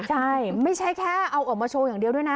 ใช่ไม่ใช่แค่เอาออกมาโชว์อย่างเดียวด้วยนะ